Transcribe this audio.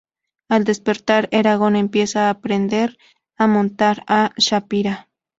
Al despertar Eragon empieza a aprender a montar a Saphira.